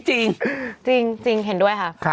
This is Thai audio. จริงเห็นด้วยค่ะ